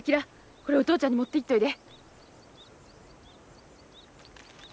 これお父ちゃんに持っていっといで。